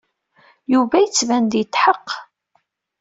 Yuba yettban-d yetḥeqq.